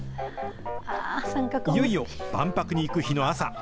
いよいよ万博に行く日の朝。